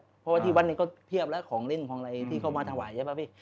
เพราะว่าที่วัดนี้ก็เพียบแล้วของเล่นของอะไรที่เข้ามาถวายใช่ไหมพี่